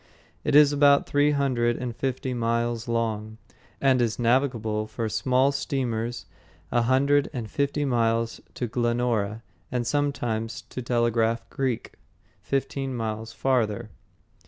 It is about three hundred and fifty miles long, and is navigable for small steamers a hundred and fifty miles to Glenora, and sometimes to Telegraph Creek, fifteen miles farther.